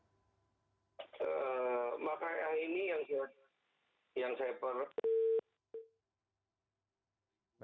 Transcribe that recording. mark ai ini yang saya percaya